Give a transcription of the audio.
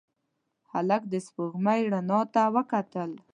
هلک د سپوږمۍ رڼا ته وکتل.